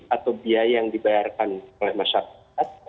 atau biaya yang dibayarkan oleh masyarakat